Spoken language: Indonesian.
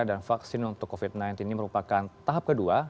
dan vaksin untuk covid sembilan belas ini merupakan tahap kedua